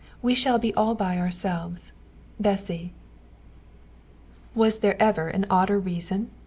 We shall be all by ourselves. "BESSY." Was there ever an odder reason?